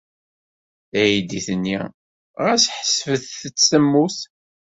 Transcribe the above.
Taydit-nni ɣas ḥesbet-tt temmut.